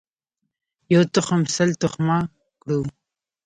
یو تخم سل تخمه کړو.